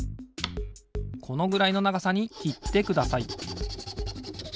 このぐらいのながさにきってください